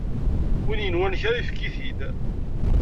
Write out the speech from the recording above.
Win yenwan kra yefk-it-id!